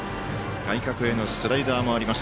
外角へのスライダーもあります。